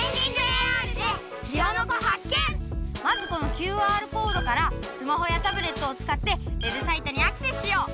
まずこのＱＲコードからスマホやタブレットを使ってウェブサイトにアクセスしよう！